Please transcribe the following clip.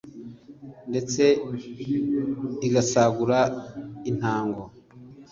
Ndetse igasagura intango !